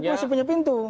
dpp masih punya pintu